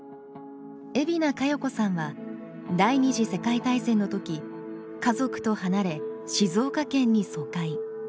海老名香葉子さんは第２次世界大戦の時家族と離れ静岡県に疎開。